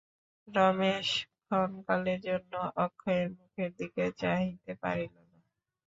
রমেশ ক্ষণকালের জন্য অক্ষয়ের মুখের দিকে চাহিতে পারিল না।